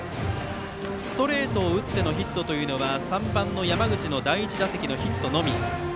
ストレートを打ってのヒットというのは３番、山口の第１打席のヒットのみ。